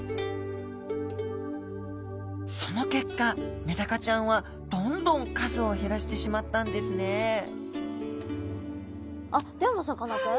その結果メダカちゃんはどんどん数を減らしてしまったんですねあっでもさかなクン？